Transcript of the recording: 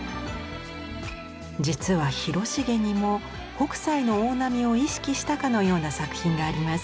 実は広重にも北斎の大波を意識したかのような作品があります。